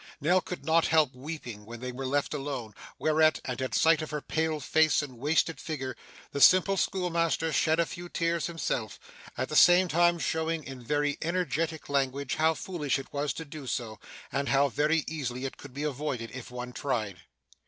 Nell could not help weeping when they were left alone; whereat, and at sight of her pale face and wasted figure, the simple schoolmaster shed a few tears himself, at the same time showing in very energetic language how foolish it was to do so, and how very easily it could be avoided, if one tried.